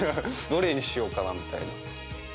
どれにしようかなみたいな。